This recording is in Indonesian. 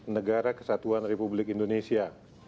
negara kesatuan republik indonesia